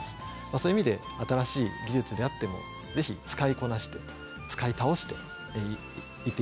そういう意味で新しい技術であっても是非使いこなして使い倒していっていただければなというふうに思います。